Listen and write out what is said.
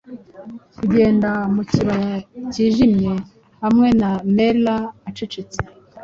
Kugenda mu kibaya cyijimye Hamwe na Mela ucecetse.